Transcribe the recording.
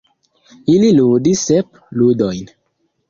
Ili ludis sep ludojn.